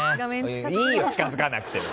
いいよ近づかなくても。